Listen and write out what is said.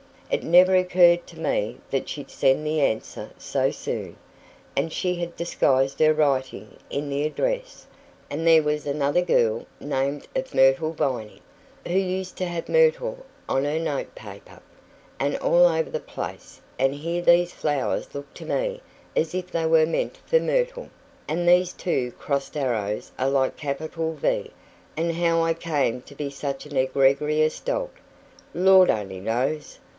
It never occurred to me that she'd send the answer so soon, and she had disguised her writing in the address, and there was another girl name of Myrtle Vining who used to have myrtle on her note paper, and all over the place and here these flowers looked to me as if they were meant for myrtle, and these two crossed arrows are like capital V and how I came to be such an egregious dolt, Lord only knows!